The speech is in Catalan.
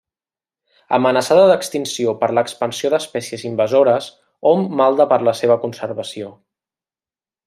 Amenaçada d'extinció per l'expansió d'espècies invasores, hom malda per la seva conservació.